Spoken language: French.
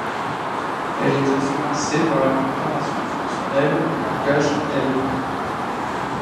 Elle est influencée par la programmation fonctionnelle du langage Elm.